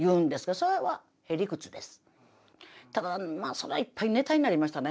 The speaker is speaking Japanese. それはいっぱいネタになりましたね。